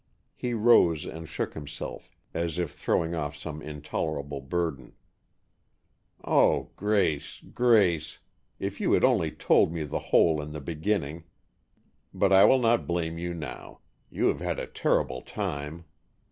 He rose and shook himself, as if throwing off some intolerable burden. "Oh, Grace, Grace, if you had only told me the whole in the beginning! But I will not blame you now. You have had a terrible time.